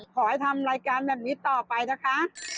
ขอให้ทำรายการแบบนี้ต่อไปนะคะ